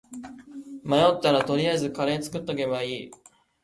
迷ったら取りあえずカレー作っとけばいい